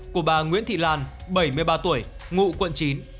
của bà nguyễn thị lan bảy mươi ba tuổi ngụ quận chín